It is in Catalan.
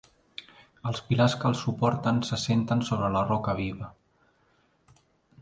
Els pilars que el suporten s'assenten sobre la roca viva.